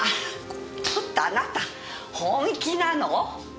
ちょっとあなた本気なの？